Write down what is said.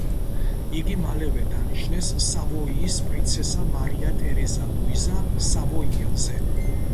იგი მალევე დანიშნეს სავოიის პრინცესა მარია ტერეზა ლუიზა სავოიელზე.